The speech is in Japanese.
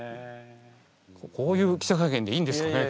こういう記者会見でいいんですかね？